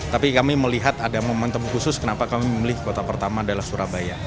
tapi kami melihat ada momentum khusus kenapa kami memilih kota pertama adalah surabaya